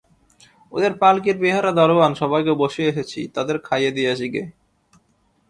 ওদের পালকির বেহারা-দরোয়ান সবাইকে বসিয়ে এসেছি, তাদের খাইয়ে দিয়ে আসি গে।